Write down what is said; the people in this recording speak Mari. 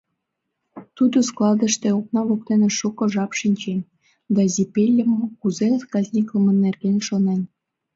Тудо складыште окна воктене шуко жап дене шинчен да Зимпельым кузе казнитлыме нерген шонен.